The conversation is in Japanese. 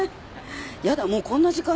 やだもうこんな時間。